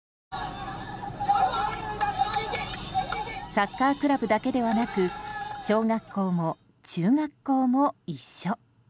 サッカークラブだけではなく小学校も中学校も一緒。